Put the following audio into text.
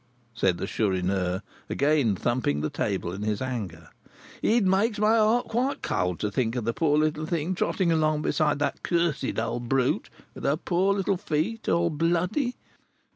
said the Chourineur, again thumping the table in his anger. "It makes my heart quite cold to think of the poor little thing trotting along beside that cursed old brute, with her poor little foot all bloody!"